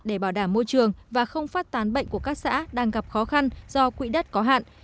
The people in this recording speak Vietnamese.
để bảo đảm môi trường và không phát tán bệnh của các xã đang gặp khó khăn do quỹ đất có hạn